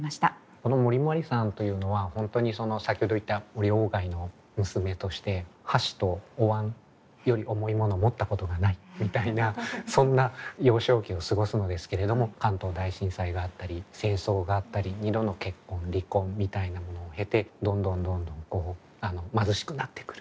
この森茉莉さんというのは本当に先ほど言った森外の娘として箸とお椀より重い物持ったことがないみたいなそんな幼少期を過ごすのですけれども関東大震災があったり戦争があったり２度の結婚離婚みたいなものを経てどんどんどんどん貧しくなってくる。